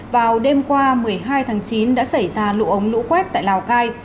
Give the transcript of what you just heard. vào đêm qua một mươi hai tháng chín đã xảy ra lũ ống lũ quét tại lào cai